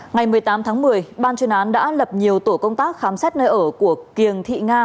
ngày một mươi tám tháng một mươi ban chuyên án đã lập nhiều tổ công tác khám xét nơi ở của kiềng thị nga